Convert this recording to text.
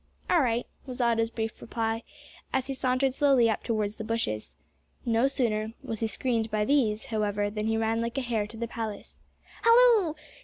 "All right," was Otto's brief reply, as he sauntered slowly up towards the bushes. No sooner was he screened by these, however, than he ran like a hare to the palace. "Halloo!